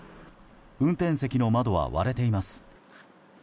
運転席の窓は割れています。